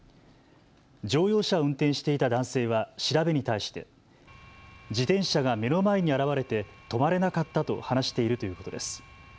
乗用車を運転していた男性は調べに対して自転車が目の前に現れて止まれなかったと話しているということです。